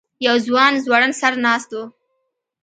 یو ځوان ځوړند سر ناست و.